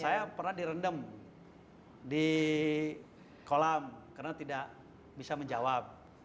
saya pernah direndam di kolam karena tidak bisa menjawab